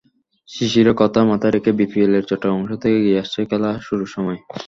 শিশিরের কথা মাথায় রেখেই বিপিএলের চট্টগ্রাম অংশ থেকে এগিয়ে আসছে খেলা শুরুর সময়।